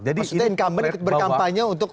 maksudnya incumbent berdampaknya untuk